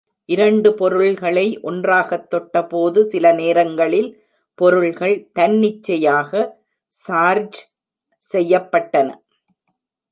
இரண்டு பொருள்களை ஒன்றாகத் தொட்டபோது, சில நேரங்களில் பொருள்கள் தன்னிச்சையாக சார்ஜ் செய்யப்பட்டன.